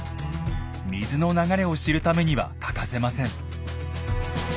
水の流れを知るためには欠かせません。